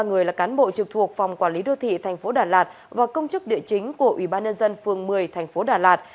ba người là cán bộ trực thuộc phòng quản lý đô thị tp đà lạt và công chức địa chính của ubnd phường một mươi tp đà lạt